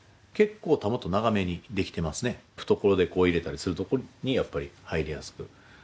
懐手こう入れたりするところにやっぱり入りやすくなるように常々。